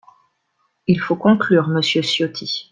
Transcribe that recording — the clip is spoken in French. Il faut conclure, monsieur Ciotti.